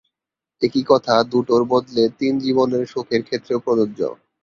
একই কথা দুটোর বদলে তিন জীবনের সুখের ক্ষেত্রেও প্রযোজ্য।